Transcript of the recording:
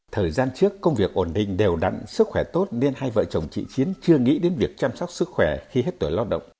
thời gian trước công việc ổn định đều đặn sức khỏe tốt nên hai vợ chồng chị chiến chưa nghĩ đến việc chăm sóc sức khỏe khi hết tuổi lao động